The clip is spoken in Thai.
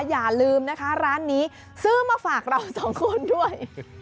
อย่าลืมนะคะร้านนี้ซื้อมาฝากเราสองคนด้วย